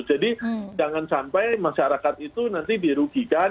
jadi jangan sampai masyarakat itu nanti dirugikan